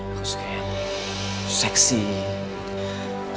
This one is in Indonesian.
aku pake uang yang kamu kasih